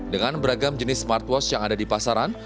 dengan beragam jenis smartwash yang ada di pasaran